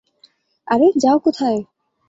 আরে, যাও কোথায়!